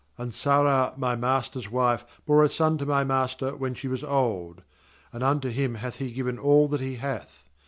^And Sarah my master's wife bore a son to my master when she was old; and unto bvm hath he given all that he hath.